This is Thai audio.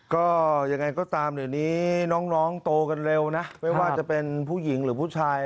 ก็ยังไงก็ตามเดี๋ยวนี้น้องโตกันเร็วนะไม่ว่าจะเป็นผู้หญิงหรือผู้ชาย